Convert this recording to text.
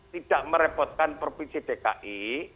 tidak merepotkan provinsi dki